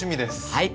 はい。